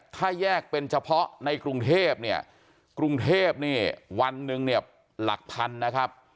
ถ้าแยกเป็นเฉพาะในกรุงเทพเนี่ยกรุงเทพเนี่ยวันหนึ่งเนี่ยหลักพันนะครับ